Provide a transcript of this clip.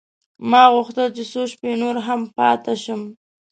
ما غوښتل چې څو شپې نور هم پاته شم.